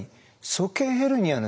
鼠径ヘルニアの。